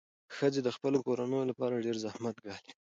ښځې د خپلو کورنیو لپاره ډېر زحمت ګالي.